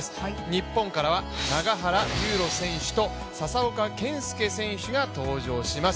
日本からは永原悠路選手と笹岡建介選手が登場します。